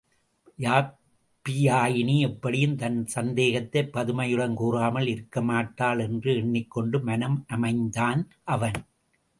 யாப்பியாயினி எப்படியும் தன் சந்தேகத்தைப் பதுமையிடம் கூறாமல் இருக்கமாட்டாள் என்று எண்ணிக்கொண்டு மனம் அமைந்தான் அவன்.